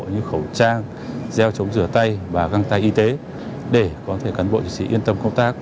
như khẩu trang gieo chống rửa tay và găng tay y tế để có thể cán bộ chiến sĩ yên tâm công tác